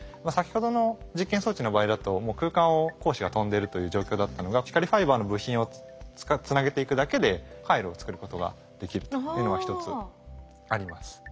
先ほどの実験装置の場合だと空間を光子が飛んでるという状況だったのが光ファイバーの部品をつなげていくだけで回路を作ることができるというのが一つあります。